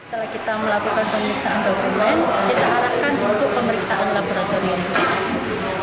setelah kita melakukan pemeriksaan dokumen kita arahkan untuk pemeriksaan laboratorium